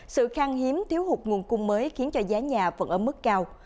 sự khăn hiếm thiếu hụt nguồn cung mới khiến cho giá nhà vẫn ở mức cao